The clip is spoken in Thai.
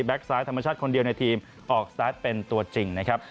ซ้ายธรรมชาติคนเดียวในทีมออกสตาร์ทเป็นตัวจริงนะครับ